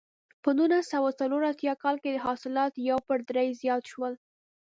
په نولس سوه څلور اتیا کال کې حاصلات یو پر درې زیات شول.